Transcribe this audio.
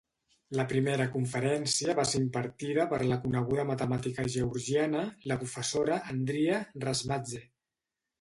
La primera conferència va ser impartida per la coneguda matemàtica georgiana, la professora Andria Razmadze.